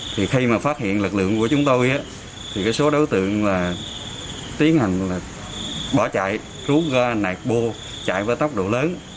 khi mà phát hiện lực lượng của chúng tôi số đối tượng tiến hành bỏ chạy rút ra nạc bô chạy với tốc độ lớn